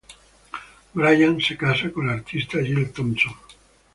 Brian se casó con la artista Jill Thompson.